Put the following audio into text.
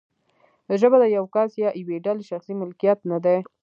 ژبه د یو کس یا یوې ډلې شخصي ملکیت نه دی.